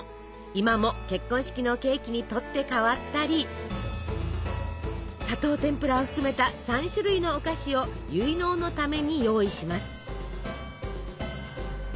今も結婚式のケーキに取って代わったり砂糖てんぷらを含めた３種類のお菓子を結納のために用意します。